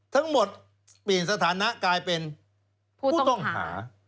ทั้งหมดเปลี่ยนสถานะกลายเป็นผู้ต้องหา